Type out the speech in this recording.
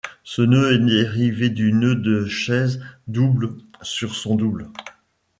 Ce nœud est dérivé du nœud de chaise double sur son double.